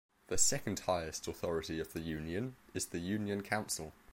The second highest authority of the Union is the Union Council.